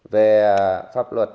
về pháp luật